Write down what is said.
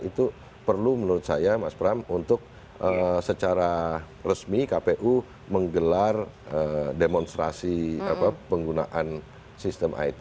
itu perlu menurut saya mas pram untuk secara resmi kpu menggelar demonstrasi penggunaan sistem it